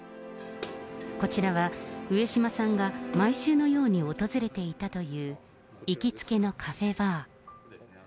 こちらは上島さんが毎週のように訪れていたという、行きつけのカフェバー。